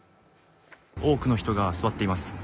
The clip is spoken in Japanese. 多くの人が座っています。